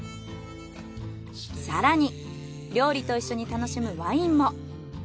更に料理と一緒に楽しむワインも。